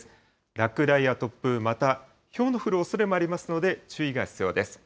落雷や突風、また、ひょうの降るおそれもありますので、注意が必要です。